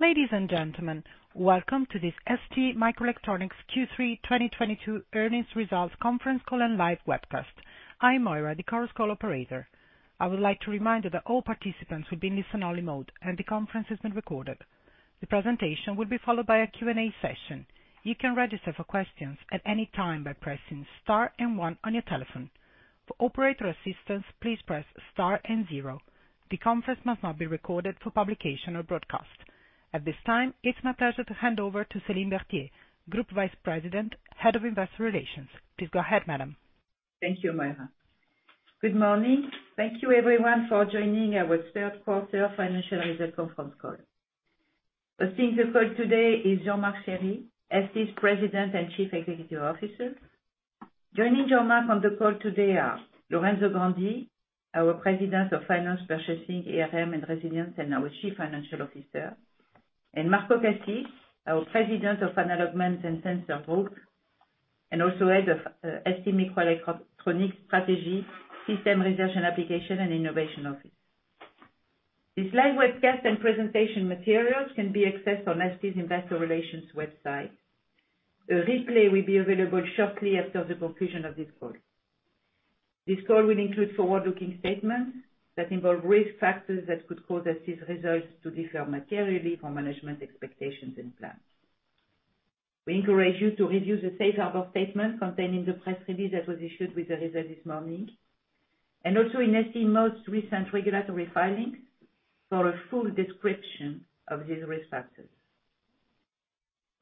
Ladies and gentlemen, welcome to this STMicroelectronics Q3 2022 earnings results conference call and live webcast. I'm Moira, the Chorus Call operator. I would like to remind you that all participants will be in listen-only mode, and the conference is being recorded. The presentation will be followed by a Q&A session. You can register for questions at any time by pressing star and one on your telephone. For operator assistance, please press star and zero. The conference must not be recorded for publication or broadcast. At this time, it's my pleasure to hand over to Céline Berthier, Group Vice President, Head of Investor Relations. Please go ahead, madam. Thank you, Moira. Good morning. Thank you everyone for joining our third quarter financial result conference call. Hosting the call today is Jean-Marc Chery, ST's President and Chief Executive Officer. Joining Jean-Marc on the call today are Lorenzo Grandi, our President of Finance, Purchasing, ERM, and Resilience, and our Chief Financial Officer, and Marco Cassis, our President of Analog, MEMS and Sensors Group, and also head of STMicroelectronics Strategy, System Research, and Application, and Innovation Office. This live webcast and presentation materials can be accessed on ST's Investor Relations website. A replay will be available shortly after the conclusion of this call. This call will include forward-looking statements that involve risk factors that could cause ST's results to differ materially from management expectations and plans. We encourage you to review the safe harbor statement contained in the press release that was issued with the results this morning, and also in ST's most recent regulatory filings for a full description of these risk factors.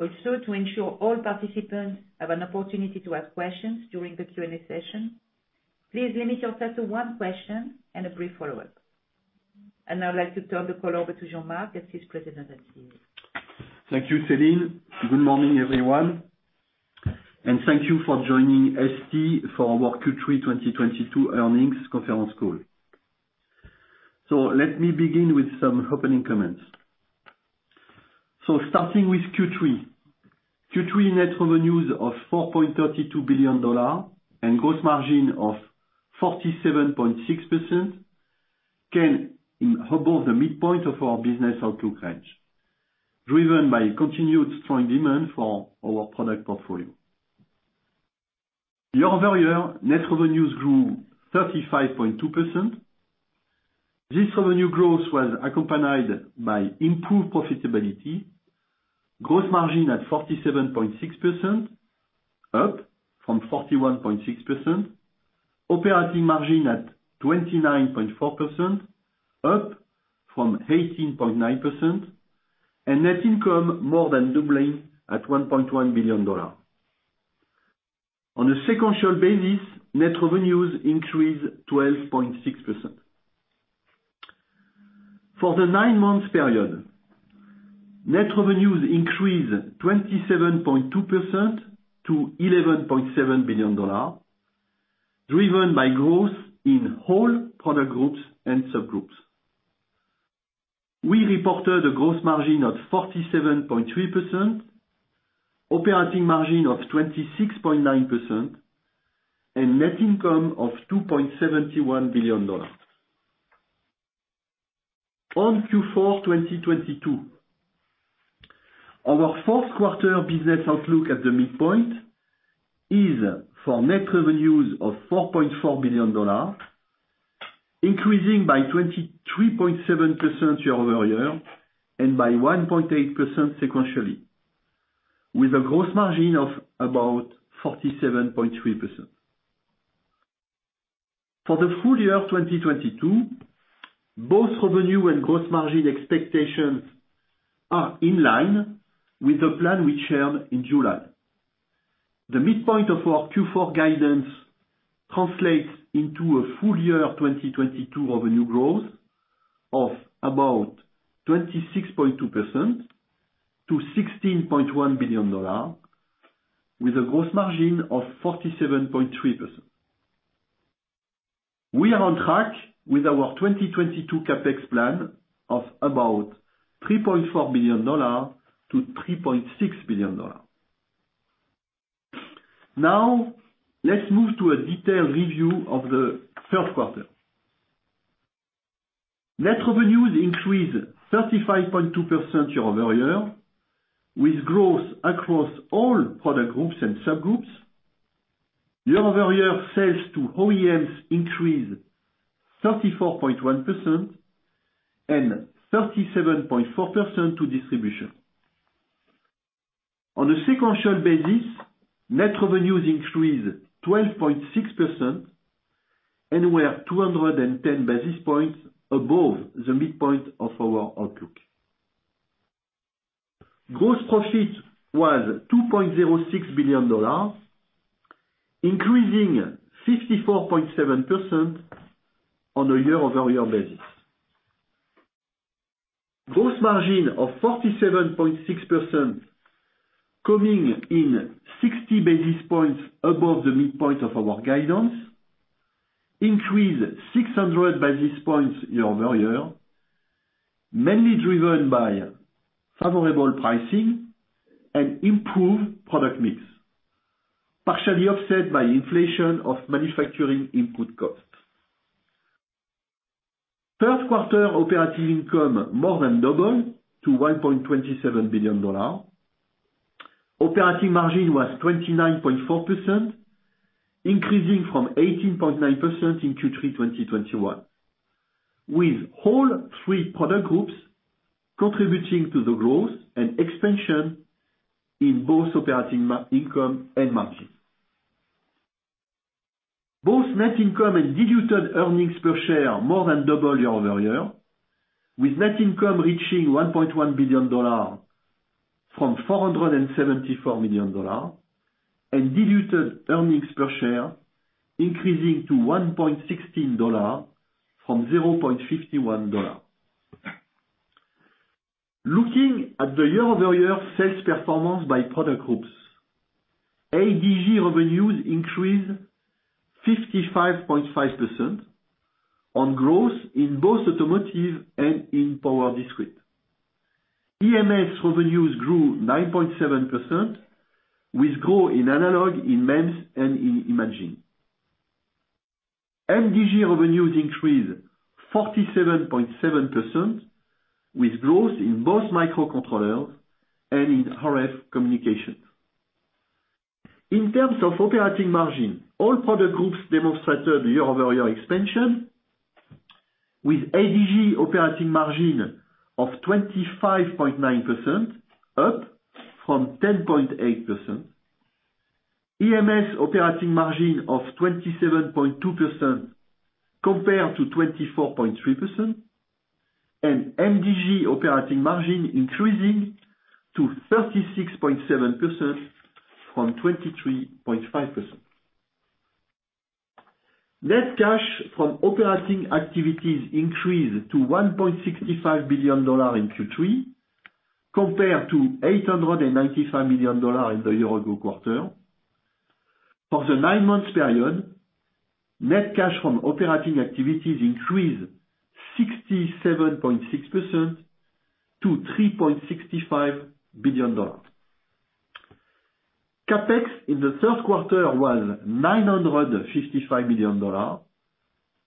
Also, to ensure all participants have an opportunity to ask questions during the Q&A session, please limit yourself to one question and a brief follow-up. I'd like to turn the call over to Jean-Marc, ST's President and CEO. Thank you, Céline. Good morning, everyone, and thank you for joining ST for our Q3 2022 earnings conference call. Let me begin with some opening comments. Starting with Q3. Q3 net revenues of $4.32 billion and gross margin of 47.6% came above the midpoint of our business outlook range, driven by continued strong demand for our product portfolio. Year-over-year, net revenues grew 35.2%. This revenue growth was accompanied by improved profitability, gross margin at 47.6%, up from 41.6%, operating margin at 29.4%, up from 18.9%, and net income more than doubling at $1.1 billion. On a sequential basis, net revenues increased 12.6%. For the nine months period, net revenues increased 27.2% to $11.7 billion, driven by growth in whole product groups and subgroups. We reported a gross margin of 47.3%, operating margin of 26.9%, and net income of $2.71 billion. On Q4 2022, our fourth quarter business outlook at the midpoint is for net revenues of $4.4 billion, increasing by 23.7% year-over-year and by 1.8% sequentially, with a gross margin of about 47.3%. For the full year of 2022, both revenue and gross margin expectations are in line with the plan we shared in July. The midpoint of our Q4 guidance translates into a full year of 2022 revenue growth of about 26.2% to $16.1 billion, with a gross margin of 47.3%. We are on track with our 2022 CapEx plan of about $3.4 billion-$3.6 billion. Now, let's move to a detailed review of the third quarter. Net revenues increased 35.2% year-over-year, with growth across all product groups and subgroups. Year-over-year sales to OEMs increased 34.1% and 37.4% to distribution. On a sequential basis, net revenues increased 12.6% and were 210 basis points above the midpoint of our outlook. Gross profit was $2.06 billion, increasing 54.7% on a year-over-year basis. Gross margin of 47.6% coming in 60 basis points above the midpoint of our guidance increased 600 basis points year-over-year, mainly driven by favorable pricing and improved product mix. Partially offset by inflation of manufacturing input costs. Third quarter operating income more than doubled to $1.27 billion. Operating margin was 29.4%, increasing from 18.9% in Q3 2021, with all three product groups contributing to the growth and expansion in both operating income and margin. Both net income and diluted earnings per share more than doubled year-over-year, with net income reaching $1.1 billion from $474 million and diluted earnings per share increasing to $1.16 from $0.51. Looking at the year-over-year sales performance by product groups, ADG revenues increased 55.5% on growth in both automotive and in power discrete. AMS revenues grew 9.7% with growth in analog, in MEMS, and in imaging. MDG revenues increased 47.7% with growth in both microcontrollers and in RF communication. In terms of operating margin, all product groups demonstrated year-over-year expansion with ADG operating margin of 25.9% up from 10.8%. AMS operating margin of 27.2% compared to 24.3%, and MDG operating margin increasing to 36.7% from 23.5%. Net cash from operating activities increased to $1.65 billion in Q3, compared to $895 million in the year ago quarter. For the nine months period, net cash from operating activities increased 67.6% to $3.65 billion. CapEx in the third quarter was $955 million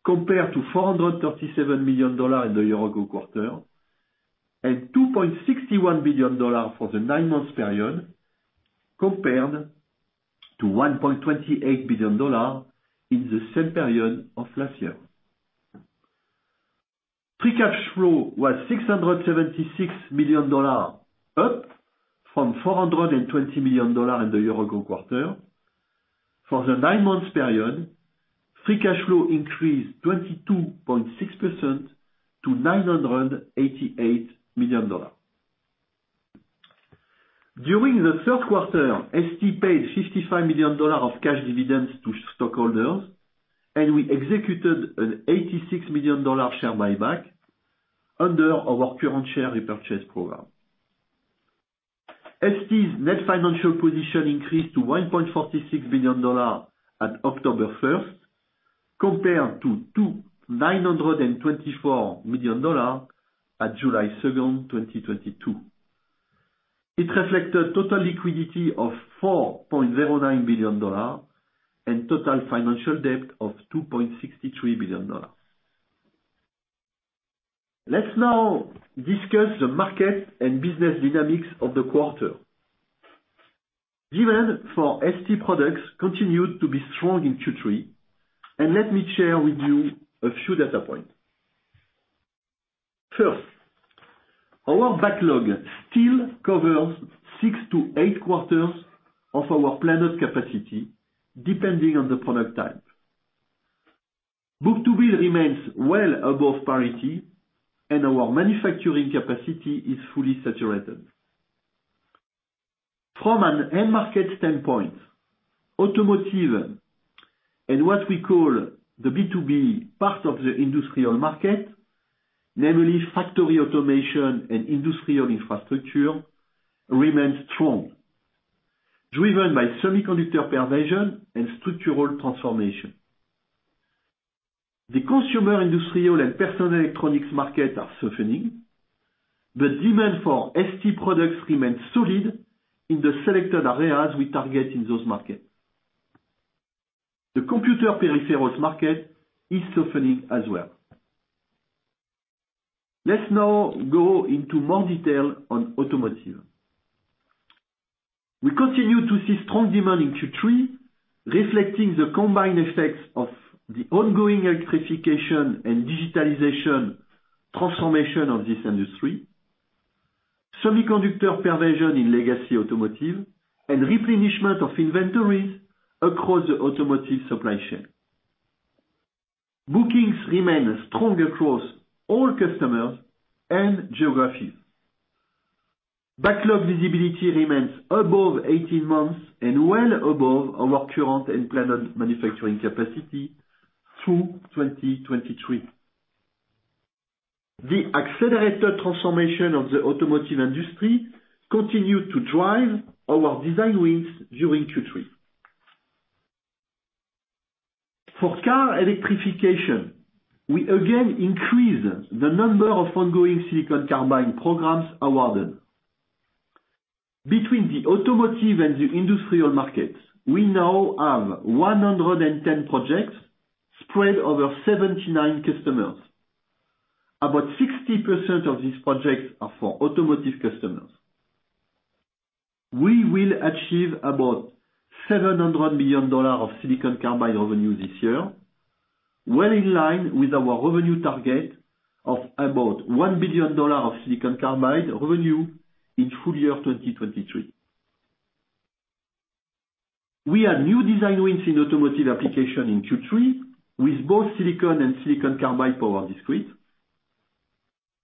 compared to $437 million in the year ago quarter, and $2.61 billion for the nine months period compared to $1.28 billion in the same period of last year. Free cash flow was $676 million, up from $420 million in the year ago quarter. For the nine months period, free cash flow increased 22.6% to $988 million. During the third quarter, ST paid $55 million of cash dividends to stockholders, and we executed an $86 million share buyback under our current share repurchase program. ST's net financial position increased to $1.46 billion at October first, compared to $900 million and $24 million at July second, 2022. It reflected total liquidity of $4.09 billion and total financial debt of $2.63 billion. Let's now discuss the market and business dynamics of the quarter. Demand for ST products continued to be strong in Q3, and let me share with you a few data points. First, our backlog still covers six to eight quarters of our planned capacity, depending on the product type. Book-to-bill remains well above parity, and our manufacturing capacity is fully saturated. From an end market standpoint, automotive and what we call the B2B part of the industrial market, namely factory automation and industrial infrastructure, remains strong, driven by semiconductor penetration and structural transformation. The consumer, industrial, and personal electronics market are softening, but demand for ST products remains solid in the selected areas we target in those markets. The computer peripherals market is softening as well. Let's now go into more detail on automotive. We continue to see strong demand in Q3, reflecting the combined effects of the ongoing electrification and digitalization transformation of this industry, semiconductor pervasiveness in legacy automotive, and replenishment of inventories across the automotive supply chain. Bookings remain strong across all customers and geographies. Backlog visibility remains above 18 months and well above our current and planned manufacturing capacity through 2023. The accelerated transformation of the automotive industry continued to drive our design wins during Q3. For car electrification, we again increase the number of ongoing silicon carbide programs awarded. Between the automotive and the industrial markets, we now have 110 projects spread over 79 customers. About 60% of these projects are for automotive customers. We will achieve about $700 million of silicon carbide revenue this year, well in line with our revenue target of about $1 billion of silicon carbide revenue in full year 2023. We have new design wins in automotive application in Q3 with both silicon and silicon carbide power discrete.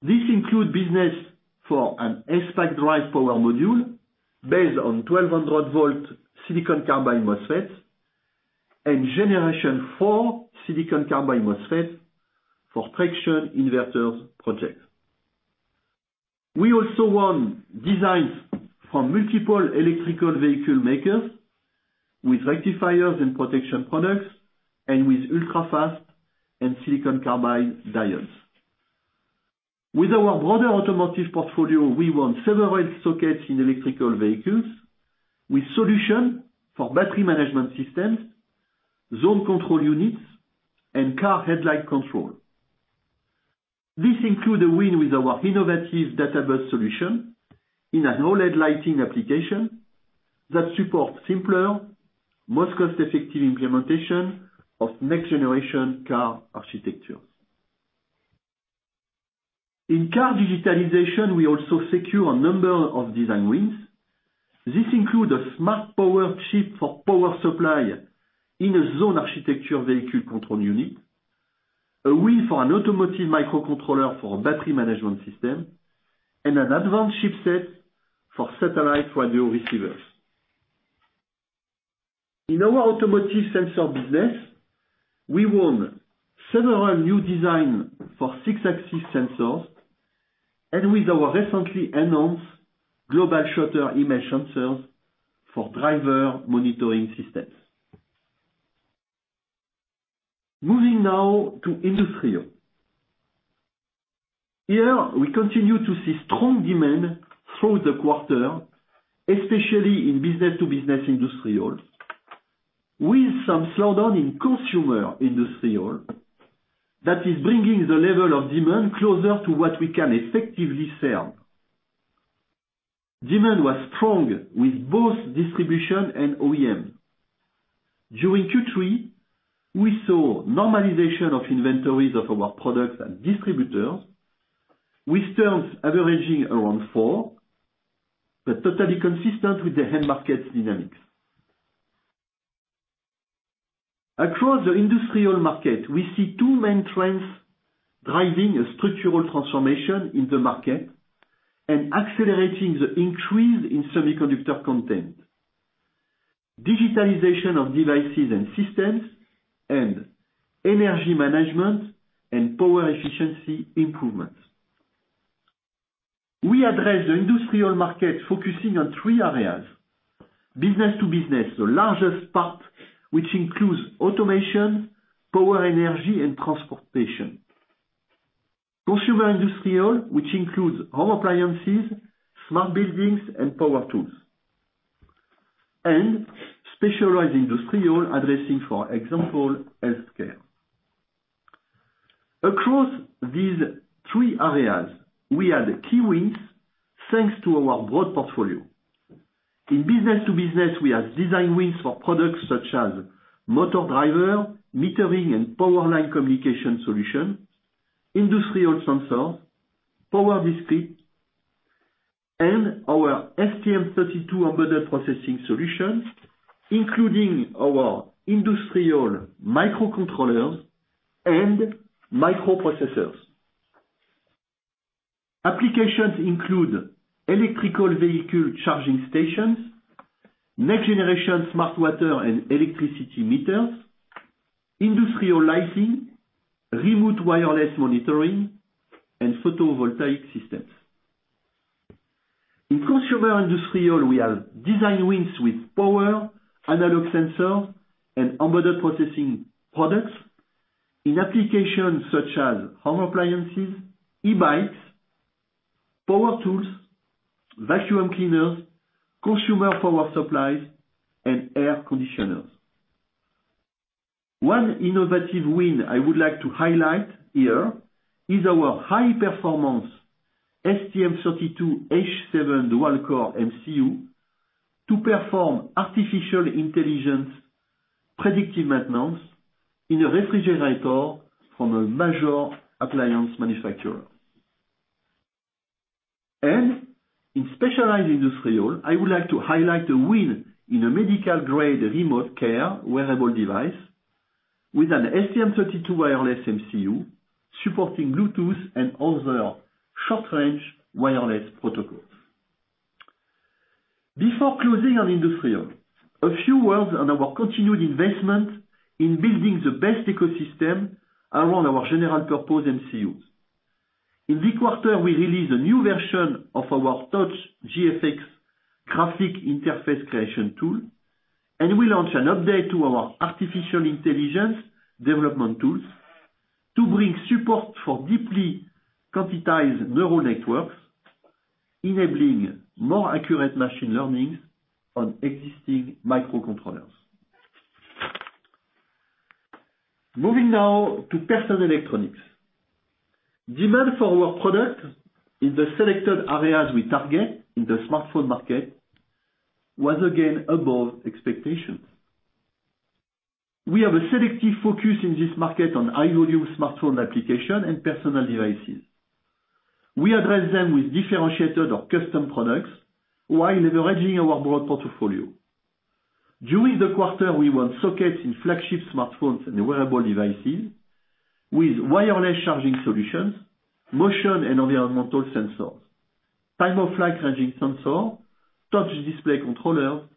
This includes business for an ACEPACK drive power module based on 1,200-volt silicon carbide MOSFET, and generation four silicon carbide MOSFET for traction inverters project. We also won designs from multiple electric vehicle makers with rectifiers and protection products and with ultra-fast and silicon carbide diodes. With our broader automotive portfolio, we won several sockets in electric vehicles with solutions for battery management systems, zone control units, and car headlight control. This includes a win with our innovative data bus solution in an OLED lighting application that supports simpler, most cost-effective implementation of next-generation car architectures. In-car digitalization, we also secure a number of design wins. This includes a smart power chip for power supply in a zone architecture vehicle control unit, a win for an automotive microcontroller for a battery management system, and an advanced chipset for satellite radio receivers. In our automotive sensor business, we won several new designs for six-axis sensors, and with our recently announced global shutter image sensors for driver monitoring systems. Moving now to industrial. Here, we continue to see strong demand through the quarter, especially in business to business industrial, with some slowdown in consumer industrial that is bringing the level of demand closer to what we can effectively sell. Demand was strong with both distribution and OEM. During Q3, we saw normalization of inventories of our products and distributors, with turns averaging around four, but totally consistent with the end market dynamics. Across the industrial market, we see two main trends driving a structural transformation in the market and accelerating the increase in semiconductor content. Digitalization of devices and systems, and energy management and power efficiency improvements. We address the industrial market focusing on three areas. Business to business, the largest part, which includes automation, power, energy, and transportation. Consumer industrial, which includes home appliances, smart buildings, and power tools. Specialized industrial addressing, for example, healthcare. Across these three areas, we have key wins thanks to our broad portfolio. In business to business, we have design wins for products such as motor driver, metering and power line communication solution, industrial sensors, power discrete, and our STM32 embedded processing solutions, including our industrial microcontrollers and microprocessors. Applications include electric vehicle charging stations, next-generation smart water and electricity meters, industrial lighting, remote wireless monitoring, and photovoltaic systems. In consumer and industrial, we have design wins with power, analog sensor, and embedded processing products in applications such as home appliances, e-bikes, power tools, vacuum cleaners, consumer power supplies, and air conditioners. One innovative win I would like to highlight here is our high-performance STM32H7 dual-core MCU to perform artificial intelligence predictive maintenance in a refrigerator from a major appliance manufacturer. In specialized industrial, I would like to highlight a win in a medical-grade remote care wearable device with an STM32 wireless MCU supporting Bluetooth and other short-range wireless protocols. Before closing on industrial, a few words on our continued investment in building the best ecosystem around our general purpose MCUs. In this quarter, we released a new version of our TouchGFX graphic interface creation tool, and we launched an update to our artificial intelligence development tools to bring support for deeply quantized neural networks, enabling more accurate machine learning on existing microcontrollers. Moving now to personal electronics. Demand for our product in the selected areas we target in the smartphone market was again above expectations. We have a selective focus in this market on high volume smartphone application and personal devices. We address them with differentiated or custom products while leveraging our broad portfolio. During the quarter, we won sockets in flagship smartphones and wearable devices with wireless charging solutions, motion and environmental sensors, time-of-flight ranging sensor, touch display controller,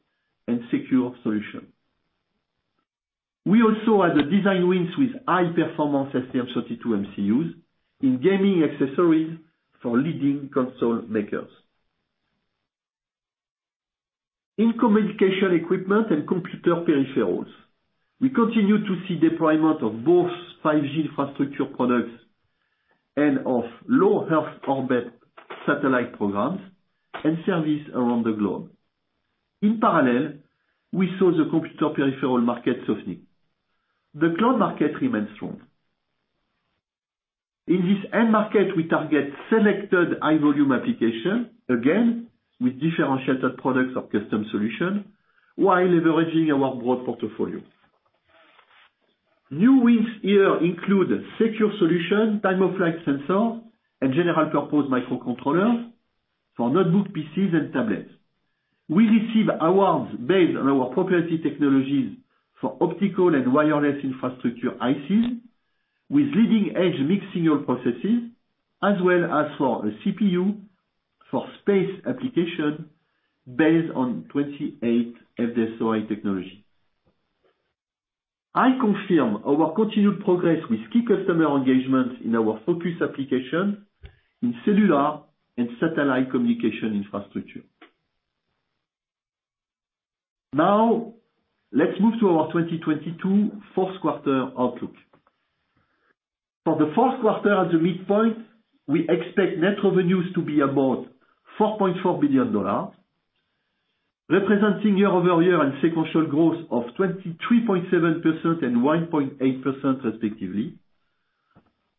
and secure solution. We also had design wins with high-performance STM32 MCUs in gaming accessories for leading console makers. In communication equipment and computer peripherals, we continue to see deployment of both 5G infrastructure products and of low Earth orbit satellite programs and service around the globe. In parallel, we saw the computer peripheral market softening. The cloud market remains strong. In this end market, we target selected high-volume application, again, with differentiated products or custom solution while leveraging our broad portfolio. New wins here include secure solution, time-of-flight sensor, and general-purpose microcontrollers for notebook PCs and tablets. We receive awards based on our property technologies for optical and wireless infrastructure ICs with leading-edge mixed signal processes, as well as for a CPU for space application based on 28 FDSOI technology. I confirm our continued progress with key customer engagements in our focus application in cellular and satellite communication infrastructure. Now, let's move to our 2022 fourth quarter outlook. For the fourth quarter at the midpoint, we expect net revenues to be about $4.4 billion, representing year-over-year and sequential growth of 23.7% and 1.8% respectively.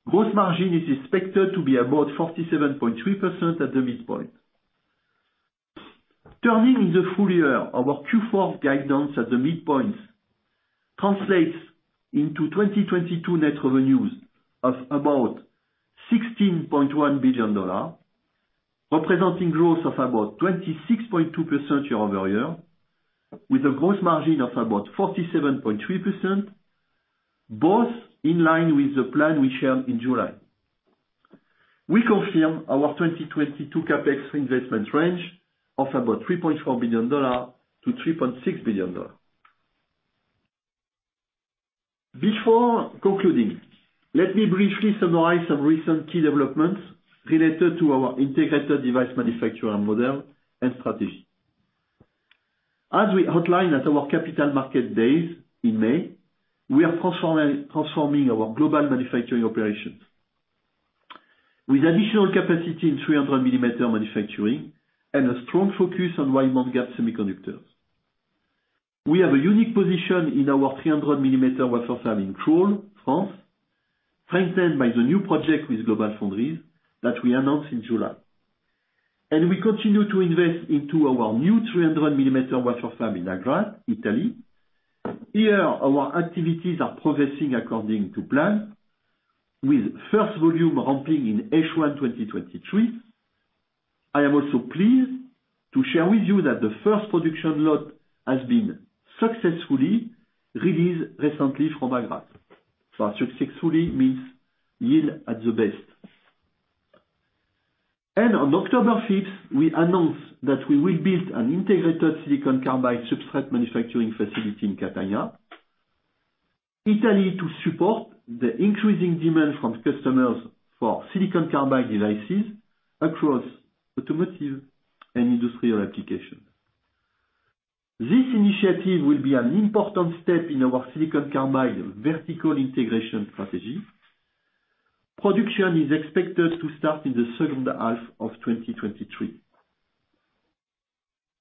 Gross margin is expected to be about 47.3% at the midpoint. Turning to the full year, our Q4 guidance at the midpoints translates into 2022 net revenues of about $16.1 billion, representing growth of about 26.2% year-over-year, with a gross margin of about 47.3%, both in line with the plan we shared in July. We confirm our 2022 CapEx investment range of about $3.4 billion-$3.6 billion. Before concluding, let me briefly summarize some recent key developments related to our integrated device manufacturing model and strategy. As we outline at our capital market days in May, we are transforming our global manufacturing operations. With additional capacity in 300-millimeter manufacturing and a strong focus on wide bandgap semiconductors. We have a unique position in our 300-millimeter wafer fab in Crolles, France, strengthened by the new project with GlobalFoundries that we announced in July. We continue to invest into our new 300-millimeter wafer fab in Agrate, Italy. Here, our activities are progressing according to plan, with first volume ramping in H1 2023. I am also pleased to share with you that the first production lot has been successfully released recently from Agrate. Successfully means yield at the best. On October fifth, we announced that we will build an integrated silicon carbide substrate manufacturing facility in Catania, Italy, to support the increasing demand from customers for silicon carbide devices across automotive and industrial application. This initiative will be an important step in our silicon carbide vertical integration strategy. Production is expected to start in the second half of 2023.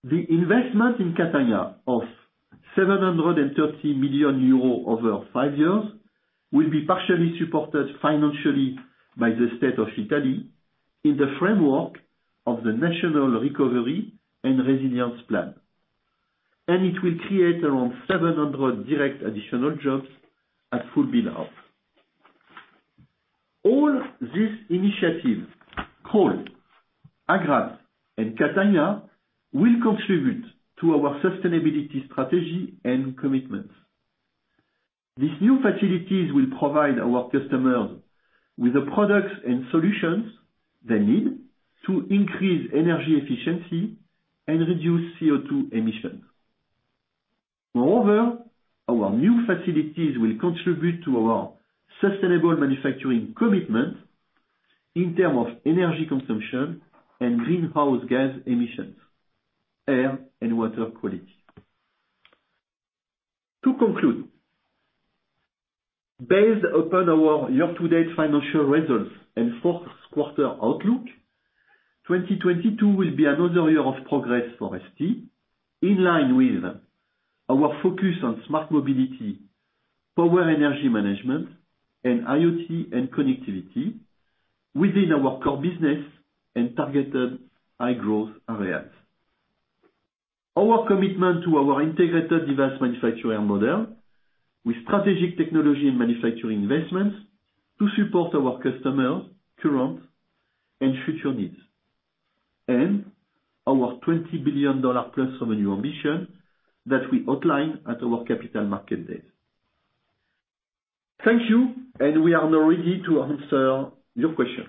The investment in Catania of 730 million euros over five years will be partially supported financially by the state of Italy in the framework of the National Recovery and Resilience Plan. It will create around 700 direct additional jobs at full build-out. All these initiatives, Crolles, Agrate, and Catania, will contribute to our sustainability strategy and commitments. These new facilities will provide our customers with the products and solutions they need to increase energy efficiency and reduce CO2 emissions. Moreover, our new facilities will contribute to our sustainable manufacturing commitment in terms of energy consumption and greenhouse gas emissions, air and water quality. To conclude, based upon our year-to-date financial results and fourth quarter outlook, 2022 will be another year of progress for ST, in line with our focus on smart mobility, power and energy management, and IoT and connectivity within our core business and targeted high-growth areas. Our commitment to our integrated device manufacturer model with strategic technology and manufacturing investments to support our customers' current and future needs, and our $20 billion+ revenue ambition that we outlined at our Capital Markets Day. Thank you, and we are now ready to answer your questions.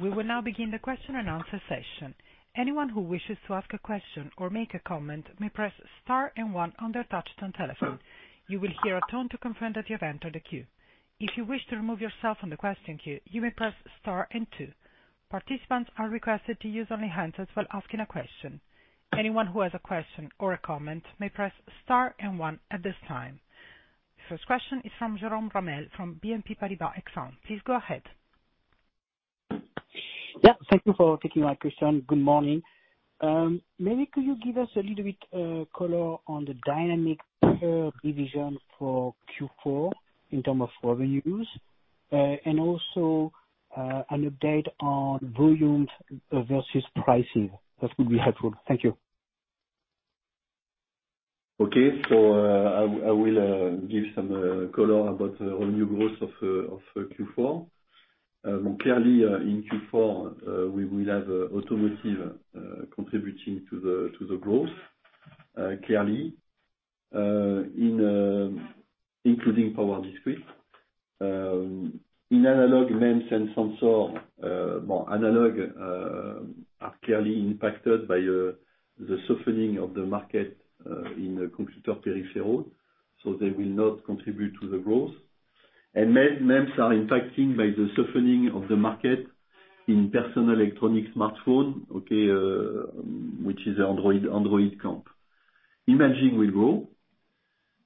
We will now begin the question and answer session. Anyone who wishes to ask a question or make a comment may press star and one on their touch-tone telephone. You will hear a tone to confirm that you have entered the queue. If you wish to remove yourself from the question queue, you may press star and two. Participants are requested to use only handset while asking a question. Anyone who has a question or a comment may press star and one at this time. First question is from Jerome Ramel from BNP Paribas Exane. Please go ahead. Yeah, thank you for taking my question. Good morning. Maybe could you give us a little bit, color on the dynamic per division for Q4 in term of revenues, and also, an update on volumes versus pricing. That would be helpful. Thank you. Okay. I will give some color about the revenue growth of Q4. Clearly, in Q4, we will have automotive contributing to the growth, clearly. Including power discrete in analog MEMS and sensors, more analog are clearly impacted by the softening of the market in computer peripherals, so they will not contribute to the growth. MEMS are impacted by the softening of the market in personal electronics smartphones, which is the Android camp. Imaging will grow.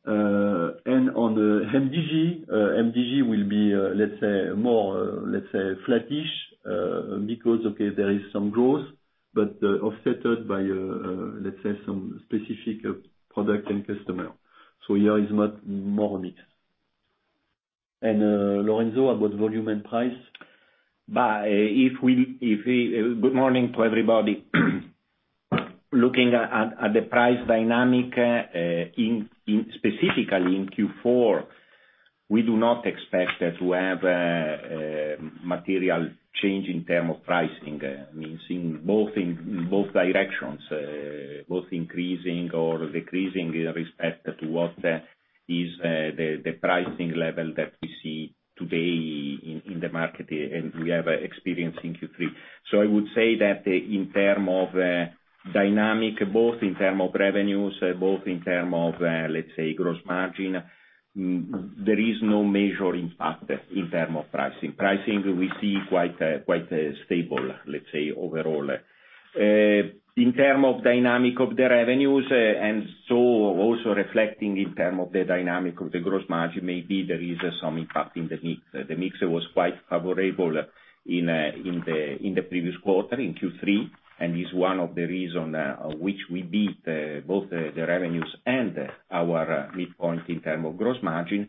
On the MDG will be, let's say more, let's say flattish, because there is some growth but offset by, let's say some specific product and customer. Here is not more mixed. Lorenzo, about volume and price. Good morning to everybody. Looking at the price dynamic specifically in Q4, we do not expect to have a material change in terms of pricing. I mean, seeing both directions, both increasing or decreasing with respect to what is the pricing level that we see today in the market and we have experienced in Q3. I would say that in terms of dynamic, both in terms of revenues, both in terms of, let's say, gross margin, there is no major impact in terms of pricing. Pricing we see quite stable, let's say, overall. In terms of dynamic of the revenues, and so also reflecting in terms of the dynamic of the gross margin, maybe there is some impact in the mix. The mix was quite favorable in the previous quarter, in Q3, and is one of the reason which we beat both the revenues and our midpoint in terms of gross margin.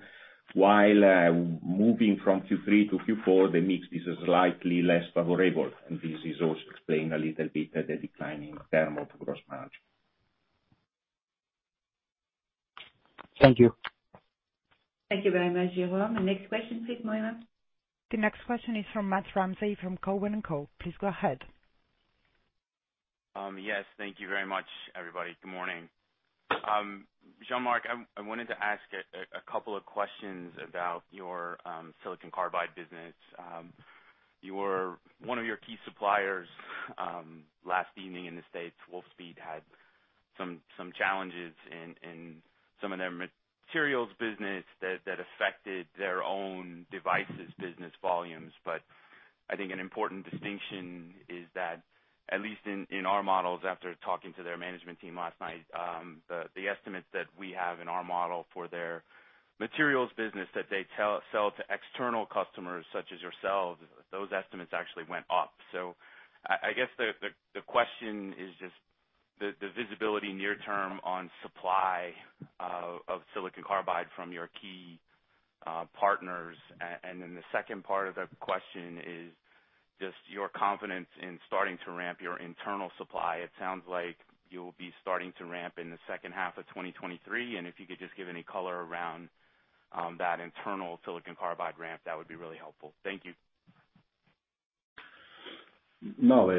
While moving from Q3 to Q4, the mix is slightly less favorable. This is also explained a little bit at the decline in terms of gross margin. Thank you. Thank you very much, Jerome. The next question please, Moira. The next question is from Matthew Ramsay from Cowen and Co. Please go ahead. Yes, thank you very much, everybody. Good morning. Jean-Marc, I wanted to ask a couple of questions about your silicon carbide business. One of your key suppliers, last evening in the States, Wolfspeed, had some challenges in some of their materials business that affected their own devices business volumes. I think an important distinction is that at least in our models, after talking to their management team last night, the estimates that we have in our model for their materials business that they sell to external customers such as yourselves, those estimates actually went up. I guess the question is just the visibility near term on supply of silicon carbide from your key partners. Then the second part of the question is just your confidence in starting to ramp your internal supply. It sounds like you'll be starting to ramp in the second half of 2023. If you could just give any color around that internal silicon carbide ramp, that would be really helpful. Thank you. No,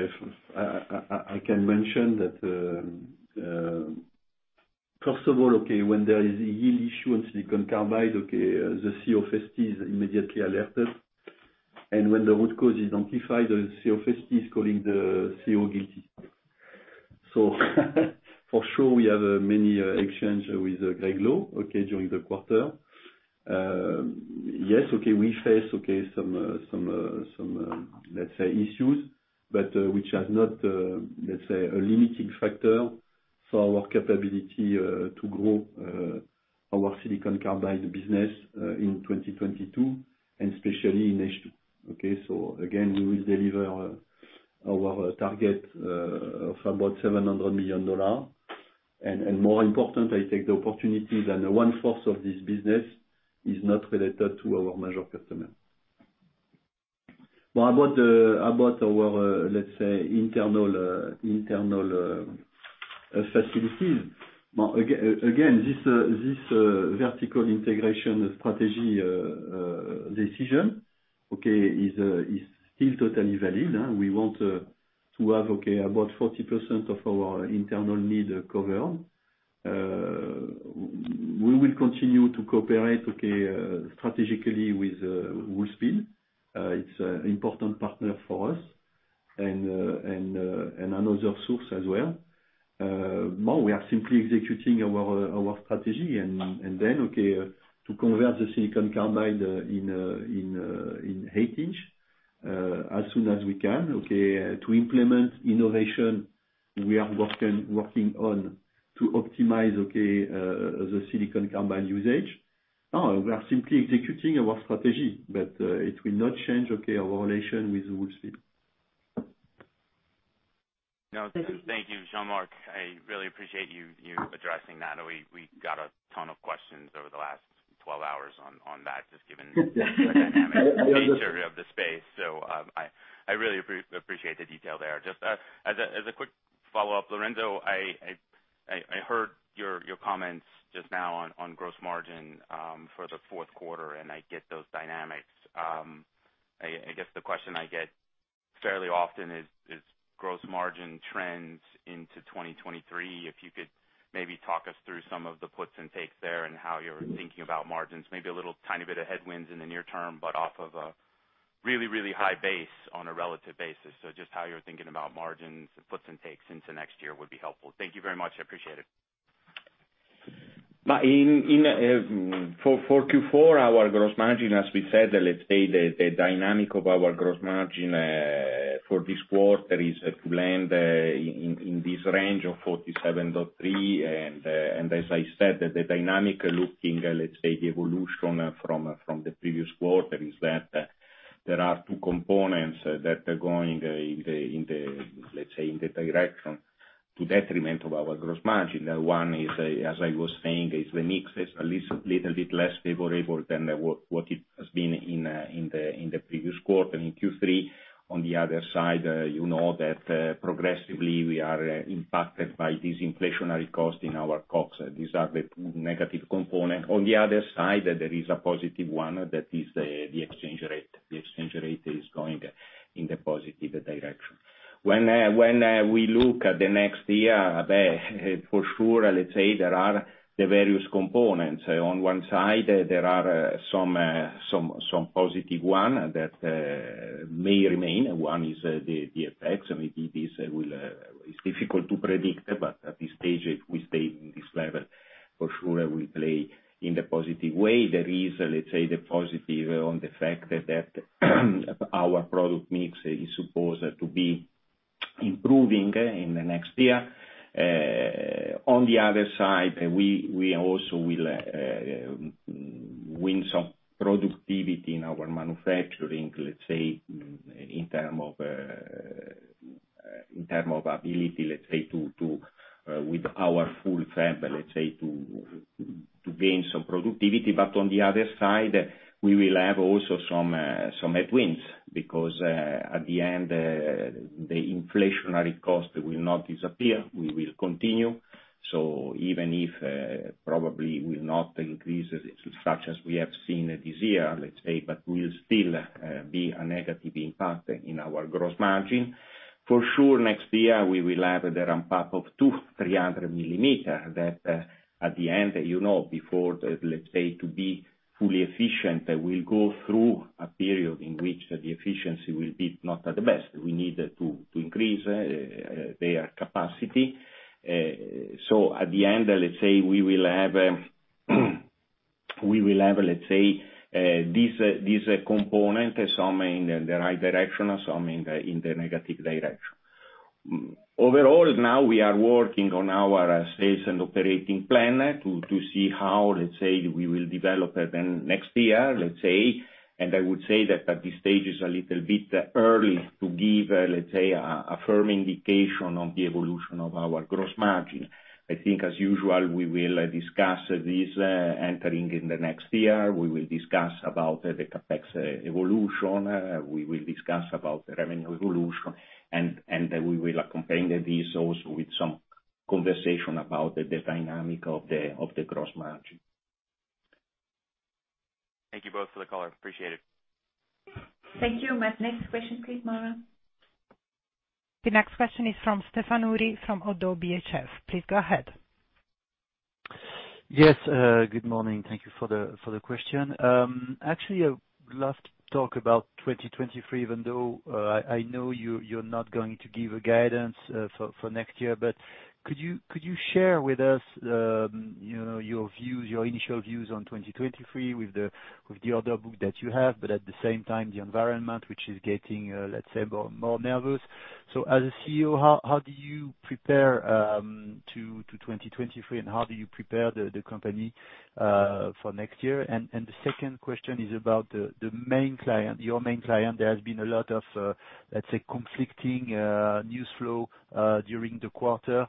I can mention that, first of all, when there is a yield issue on silicon carbide, the CFO of ST is immediately alerted. When the root cause is amplified, the CFO is calling the CEO guilty. For sure we have many exchange with Gregg Lowe during the quarter. Yes, we face some, let's say, issues, but which has not, let's say, a limiting factor for our capability to grow our silicon carbide business in 2022, and especially in H2. Again, we will deliver our target of about $700 million. More important, I take the opportunity that one fourth of this business is not related to our major customer. Now, about our, let's say, internal facilities. Well, again, this vertical integration strategy decision, okay, is still totally valid. We want to have, okay, about 40% of our internal need covered. We will continue to cooperate, okay, strategically with Wolfspeed. It's an important partner for us. Another source as well. Now we are simply executing our strategy and then, okay, to convert the silicon carbide in eight-inch, as soon as we can, okay, to implement innovation we are working on to optimize, okay, the silicon carbide usage. Now we are simply executing our strategy, but it will not change, okay, our relation with Wolfspeed. No, thank you, Jean-Marc. I really appreciate you addressing that. We got a ton of questions over the last 12 hours on that, just given the dynamic nature of the space. I really appreciate the detail there. Just as a quick follow-up, Lorenzo, I heard your comments just now on gross margin for the fourth quarter, and I get those dynamics. I guess the question I get fairly often is gross margin trends into 2023. If you could maybe talk us through some of the puts and takes there and how you're thinking about margins, maybe a little tiny bit of headwinds in the near term, but off of a really high base on a relative basis. Just how you're thinking about margins and puts and takes into next year would be helpful. Thank you very much, I appreciate it. For Q4, our gross margin, as we said, let's say the dynamic of our gross margin for this quarter is to land in this range of 47.3%. As I said, the dynamic looking, let's say, the evolution from the previous quarter is that there are two components that are going in the direction to detriment of our gross margin. One is, as I was saying, the mix is a little bit less favorable than what it has been in the previous quarter in Q3. On the other side, you know that progressively we are impacted by these inflationary costs in our COGS. These are the negative component. On the other side, there is a positive one that is the exchange rate. The exchange rate is going in the positive direction. When we look at the next year, for sure, let's say there are the various components. On one side there are some positive one that may remain. One is the effects. I mean, this is difficult to predict, but at this stage, if we stay in this level, for sure we play in the positive way. There is, let's say, the positive on the fact that our product mix is supposed to be improving in the next year. On the other side, we also will win some productivity in our manufacturing, let's say in terms of ability, let's say to, with our full fab, let's say to gain some productivity. On the other side we will have also some headwinds because at the end the inflationary cost will not disappear. We will continue. Even if probably will not increase as much as we have seen this year, let's say, but will still be a negative impact in our gross margin. For sure, next year we will have the ramp-up of 200-300 millimeter. That at the end you know before let's say to be fully efficient we'll go through a period in which the efficiency will be not at the best. We need to increase their capacity. So at the end let's say we will have this component, some in the right direction, some in the negative direction. Overall, now we are working on our sales and operating plan to see how, let's say we will develop in next year, let's say. I would say that at this stage is a little bit early to give, let's say, a firm indication on the evolution of our gross margin. I think as usual, we will discuss this entering in the next year. We will discuss about the CapEx evolution. We will discuss about the revenue evolution. We will accompany this also with some conversation about the dynamic of the gross margin. Thank you both for the color. Appreciate it. Thank you. Next question please, Moira. The next question is from Stéphane Houri from ODDO BHF. Please go ahead. Yes, good morning. Thank you for the question. Actually, I would love to talk about 2023, even though I know you're not going to give a guidance for next year. Could you share with us, you know, your views, your initial views on 2023 with the order book that you have, but at the same time, the environment which is getting, let's say, more nervous. As a CEO, how do you prepare to 2023, and how do you prepare the company for next year? The second question is about the main client, your main client. There has been a lot of, let's say, conflicting news flow during the quarter.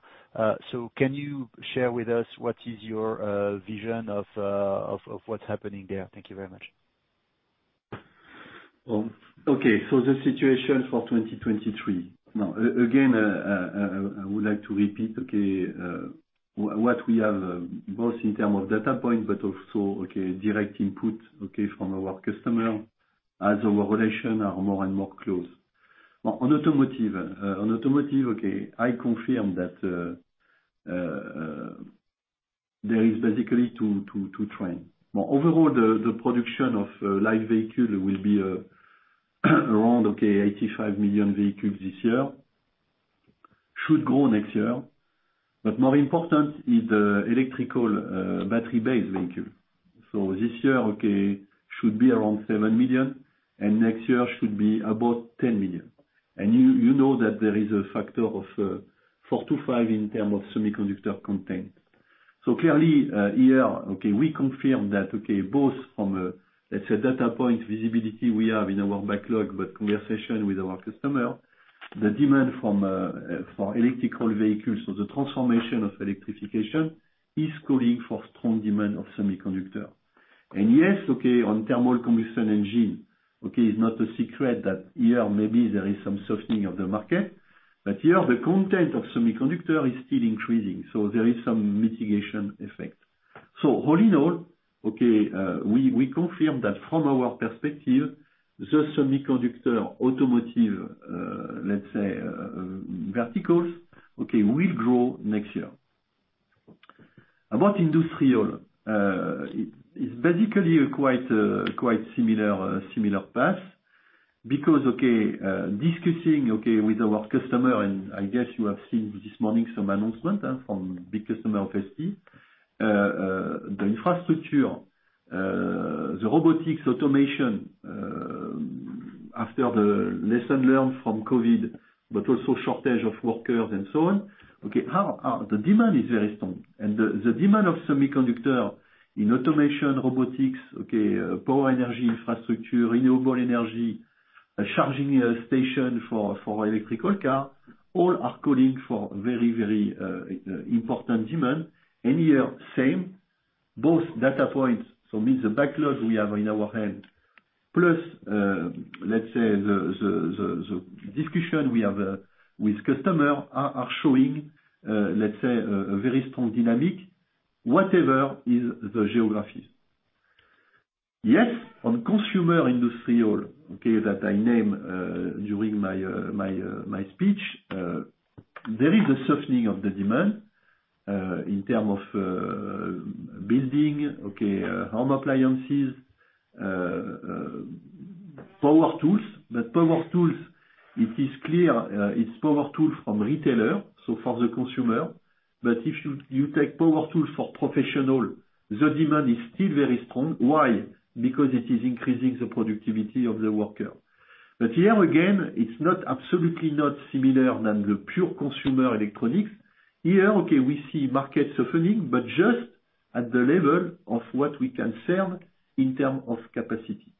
Can you share with us what is your vision of what's happening there? Thank you very much. The situation for 2023. Again, I would like to repeat what we have both in term of data point but also direct input from our customer as our relation are more and more close. On automotive, I confirm that there is basically two trend. Overall, the production of light vehicle will be around 85 million vehicles this year, should grow next year. But more important is the electric battery-based vehicle. This year should be around 7 million, and next year should be about 10 million. You know that there is a factor of four to five in term of semiconductor content. Clearly, we confirm that both from a, let's say, data point visibility we have in our backlog, but conversation with our customer, the demand from for electric vehicles or the transformation of electrification is calling for strong demand of semiconductor. Yes, on internal combustion engine, it's not a secret that here maybe there is some softening of the market, but here the content of semiconductor is still increasing, so there is some mitigation effect. All in all, we confirm that from our perspective, the semiconductor automotive, let's say, verticals will grow next year. About industrial, it's basically quite similar path because, discussing with our customer, and I guess you have seen this morning some announcement from big customer of ST, the infrastructure, the robotics automation, after the lesson learned from COVID, but also shortage of workers and so on, the demand is very strong. The demand of semiconductor in automation, robotics, power energy infrastructure, renewable energy, charging station for electrical car, all are calling for very important demand. Here, same, both data points, so means the backlogs we have in our hand, plus, let's say the discussion we have with customer are showing, let's say a very strong dynamic, whatever is the geographies. Yes, on consumer industrial, that I named during my speech, there is a softening of the demand in terms of building, home appliances, power tools. Power tools, it is clear, it's power tool from retailer, so for the consumer. If you take power tools for professional, the demand is still very strong. Why? Because it is increasing the productivity of the worker. Here again, it's absolutely not similar to the pure consumer electronics. Here, we see market softening, but just at the level of what we can serve in terms of capacity.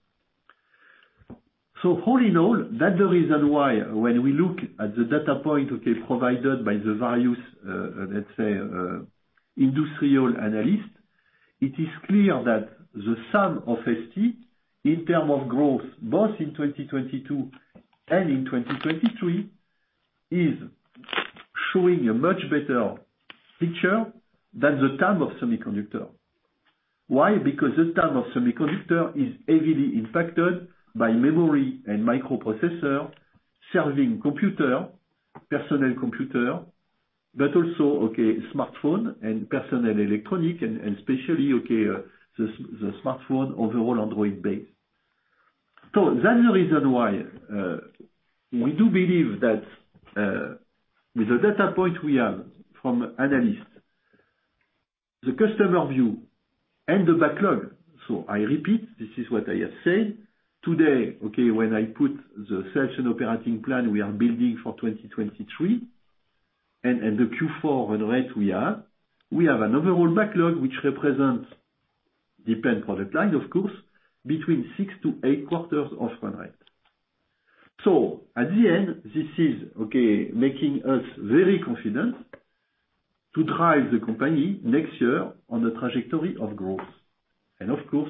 All in all, that's the reason why when we look at the data point provided by analysts, let's say industrial analyst, it is clear that the sum of ST in terms of growth, both in 2022 and in 2023, is showing a much better picture than the semiconductor sector. Why? Because the semiconductor sector is heavily impacted by memory and microprocessor serving computer, personal computer, but also smartphone and personal electronics and especially the smartphone overall Android-based. That's the reason why we do believe that with the data point we have from analyst, the customer view and the backlog. I repeat, this is what I have said. Today, when I put the sales and operating plan we are building for 2023 and the Q4 run rate we have, we have an overall backlog which represents different product line of course, between 6-8 quarters of run rate. At the end, this is making us very confident to drive the company next year on the trajectory of growth. Of course,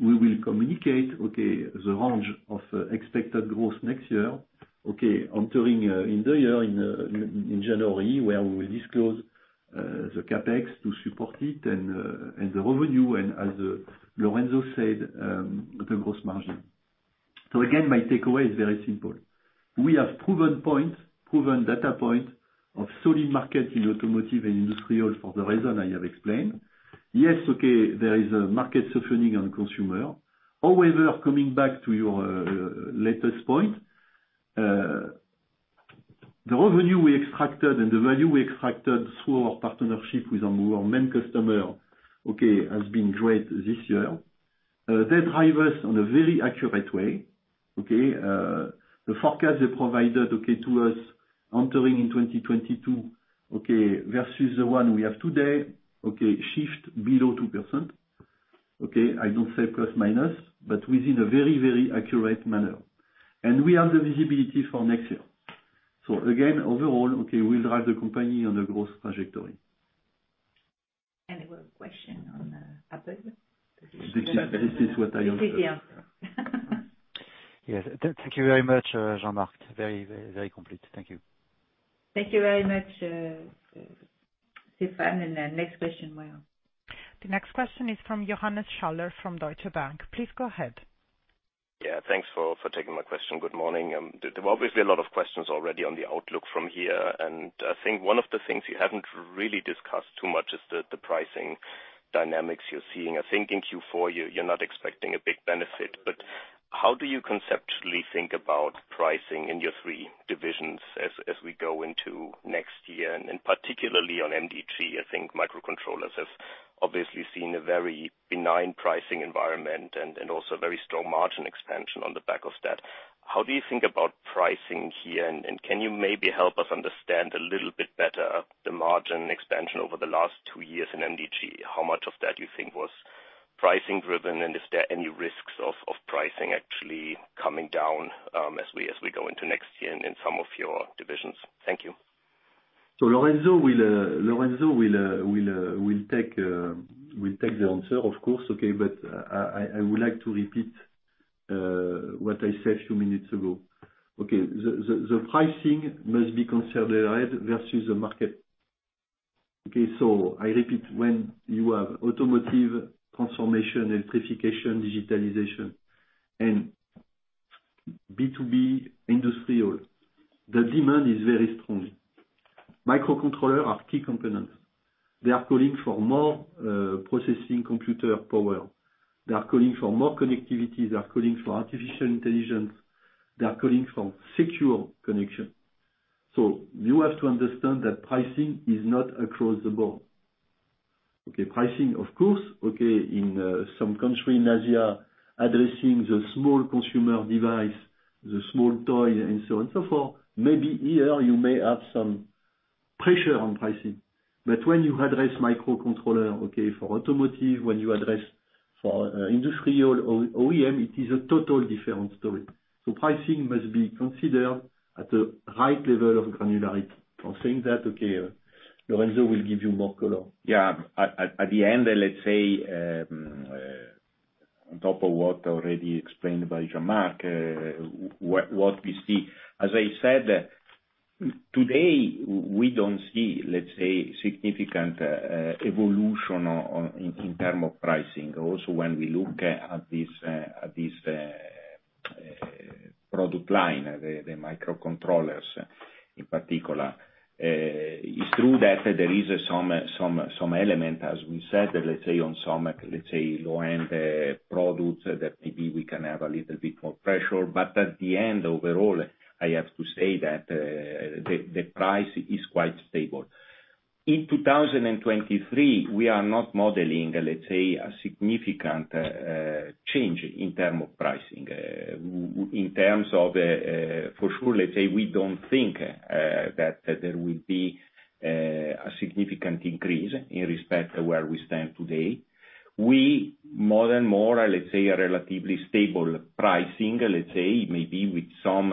we will communicate the range of expected growth next year, entering in the year in January, where we will disclose the CapEx to support it and the revenue and as Lorenzo said, the gross margin. Again, my takeaway is very simple. We have proven points, proven data points of solid market in automotive and industrial for the reason I have explained. Yes, there is a market softening on consumer. However, coming back to your latest point, the revenue we extracted and the value we extracted through our partnership with our main customer, okay, has been great this year. They drive us on a very accurate way, okay? The forecast they provided, okay, to us entering in 2022, okay, versus the one we have today, okay, shift below 2%. Okay, I don't say plus, minus, but within a very, very accurate manner. We have the visibility for next year. Again, overall, okay, we will drive the company on the growth trajectory. Any more question on? This is what I understood. This is the answer. Yes. Thank you very much, Jean-Marc. Very complete. Thank you. Thank you very much, Stéphane. The next question Maya. The next question is from Johannes Schaller from Deutsche Bank. Please go ahead. Yeah, thanks for taking my question. Good morning. There's obviously a lot of questions already on the outlook from here, and I think one of the things you haven't really discussed too much is the pricing dynamics you're seeing. I think in Q4, you're not expecting a big benefit, but how do you conceptually think about pricing in your three divisions as we go into next year, and particularly on MDG, I think microcontrollers have obviously seen a very benign pricing environment and also very strong margin expansion on the back of that. How do you think about pricing here, and can you maybe help us understand a little bit better the margin expansion over the last two years in MDG? How much of that you think was pricing driven, and is there any risks of pricing actually coming down, as we go into next year in some of your divisions? Thank you. Lorenzo will take the answer, of course, okay. I would like to repeat what I said a few minutes ago. Okay. The pricing must be considered versus the market. Okay. I repeat, when you have automotive transformation, electrification, digitalization, and B2B industrial, the demand is very strong. Microcontrollers are key components. They are calling for more processing computer power. They are calling for more connectivity, they are calling for artificial intelligence, they are calling for secure connection. You have to understand that pricing is not across the board. Okay. Pricing, of course, in some country in Asia, addressing the small consumer device, the small toy and so on and so forth, maybe here you may have some pressure on pricing. When you address microcontroller, okay, for automotive, industrial or OEM, it is a totally different story. Pricing must be considered at the right level of granularity. Having said that, okay, Lorenzo will give you more color. At the end, let's say, on top of what already explained by Jean-Marc, what we see. As I said, today, we don't see, let's say, significant evolution in terms of pricing. Also, when we look at this product line, the microcontrollers in particular, is true that there is some element, as we said, let's say on some low-end products that maybe we can have a little bit more pressure. At the end, overall, I have to say that the price is quite stable. In 2023, we are not modeling, let's say, a significant change in terms of pricing. In terms of, for sure, let's say we don't think that there will be a significant increase in respect to where we stand today. We more and more, let's say, are relatively stable pricing, let's say maybe with some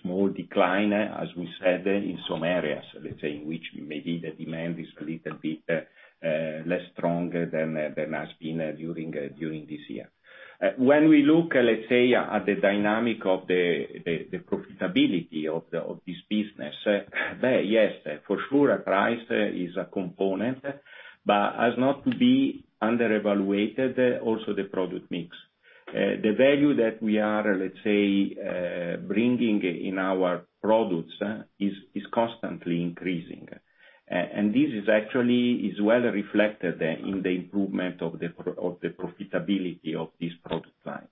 small decline, as we said, in some areas, let's say, in which maybe the demand is a little bit less stronger than has been during this year. When we look, let's say, at the dynamic of the profitability of this business, there, yes, for sure price is a component, but as not to be underevaluated, also the product mix. The value that we are, let's say, bringing in our products is constantly increasing. This is actually well reflected in the improvement of the profitability of this product line.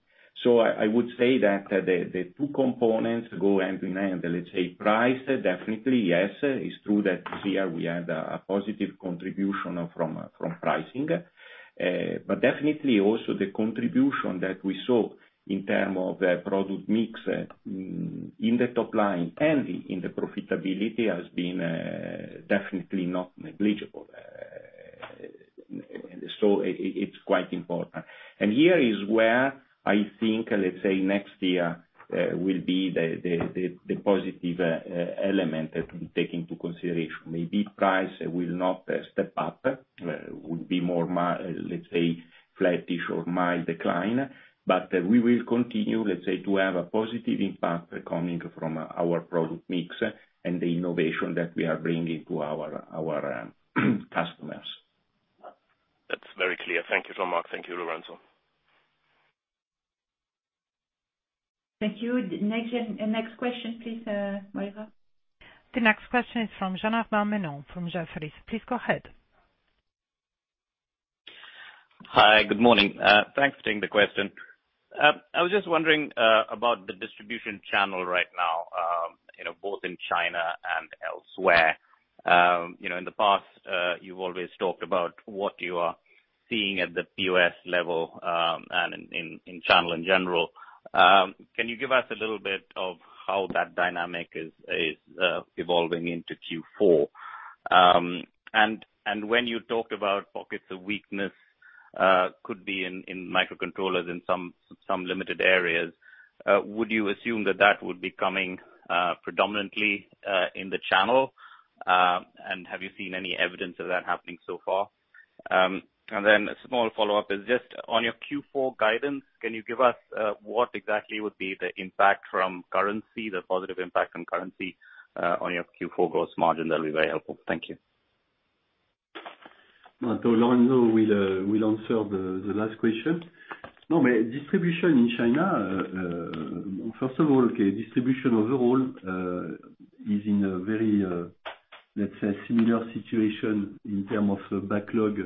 I would say that the two components go hand in hand. Let's say price, definitely, yes. It's true that this year we had a positive contribution from pricing. But definitely also the contribution that we saw in terms of product mix in the top line and in the profitability has been definitely not negligible. It's quite important. Here is where I think, let's say, next year will be the positive element that we take into consideration. Maybe price will not step up, would be more, let's say, flattish or mild decline. We will continue, let's say, to have a positive impact coming from our product mix and the innovation that we are bringing to our customers. Very clear. Thank you so much. Thank you, Lorenzo. Thank you. Next question, please, Moira. The next question is from Sandeep Deshpande from Jefferies. Please go ahead. Hi, good morning. Thanks for taking the question. I was just wondering about the distribution channel right now, you know, both in China and elsewhere. You know, in the past, you've always talked about what you are seeing at the POS level, and in channel in general. Can you give us a little bit of how that dynamic is evolving into Q4? When you talked about pockets of weakness could be in microcontrollers in some limited areas, would you assume that would be coming predominantly in the channel? Have you seen any evidence of that happening so far? A small follow-up is just on your Q4 guidance. Can you give us what exactly would be the impact from currency, the positive impact on currency, on your Q4 gross margin? That'll be very helpful. Thank you. Lorenzo will answer the last question. No, but distribution in China, first of all, okay, distribution overall is in a very, let's say similar situation in terms of the backlog